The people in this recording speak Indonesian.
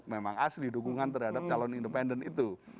memang asli dukungan terhadap calon independen itu